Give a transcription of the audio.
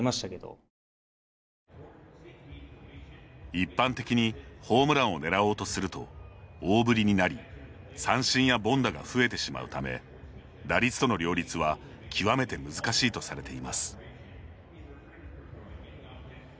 一般的にホームランをねらおうとすると大振りになり三振や凡打が増えてしまうため打率との両立は極めて難しいとされています。